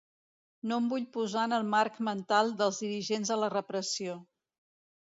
No em vull posar en el marc mental dels dirigents de la repressió.